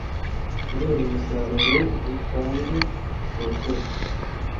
kureba umusaruro bitanga ku bakozi